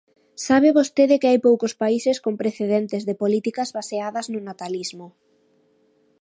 Sabe vostede que hai poucos países con precedentes de políticas baseadas no natalismo.